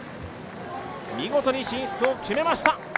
見事に進出を決めました。